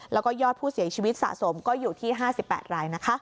แล้วก็ยอดผู้เสียชีวิตสะสมก็อยู่ที่๕๘รายนะคะ